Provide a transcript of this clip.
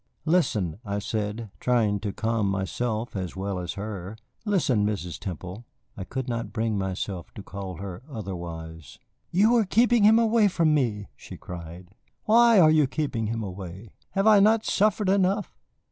"Listen," I said, trying to calm myself as well as her. "Listen, Mrs. Temple." I could not bring myself to call her otherwise. "You are keeping him away from me," she cried. "Why are you keeping him away? Have I not suffered enough?